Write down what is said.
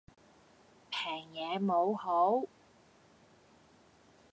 平嘢冇好